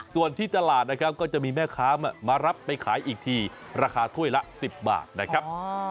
ส่วนที่ตลาดนะครับก็จะมีแม่ค้ามารับไปขายอีกทีราคาถ้วยละ๑๐บาทนะครับ